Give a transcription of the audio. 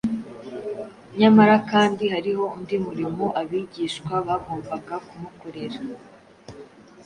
Nyamara kandi hariho undi murimo abigishwa bagombaga kumukorera.